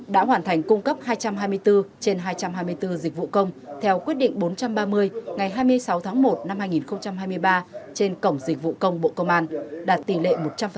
đã hoàn thành cung cấp hai trăm hai mươi bốn trên hai trăm hai mươi bốn dịch vụ công theo quyết định bốn trăm ba mươi ngày hai mươi sáu tháng một năm hai nghìn hai mươi ba trên cổng dịch vụ công bộ công an đạt tỷ lệ một trăm linh